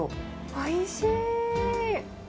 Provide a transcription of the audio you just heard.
おいしい！